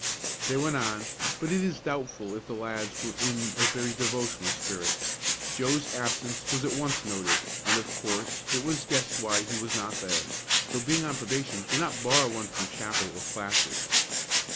They went on, but it is doubtful if the lads were in a very devotional spirit. Joe's absence was at once noted, and of course it was guessed why he was not there, though being on probation did not bar one from chapel or classes.